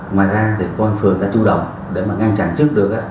ngoài ra thì công an phường đã chủ động để mà ngăn chặn trước được